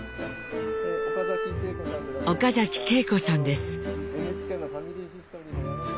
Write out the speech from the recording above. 岡嵜敬子さんです。